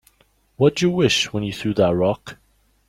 What'd you wish when you threw that rock?